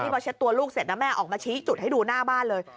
พอเช็ดตัวลูกเสร็จนะแม่ออกมาชี้จุดให้ดูหน้าบ้านเลย